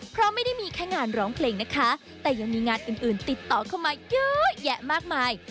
เพราะไม่ได้มีแค่งานร้องเพลงนะคะแต่ยังมีงานอื่นติดต่อเข้ามาเยอะแยะมากมาย